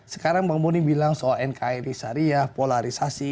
sekarang bang boni bilang soal nkri syariah polarisasi